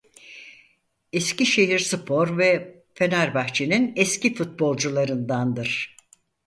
Eskişehirspor ve Fenerbahçe'nin eski futbolcularındandır.